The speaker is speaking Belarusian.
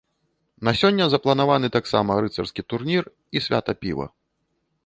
На сёння запланаваны таксама рыцарскі турнір і свята піва.